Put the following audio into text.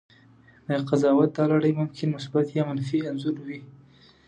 د قضاوت دا لړۍ ممکن مثبت یا منفي انځور وي.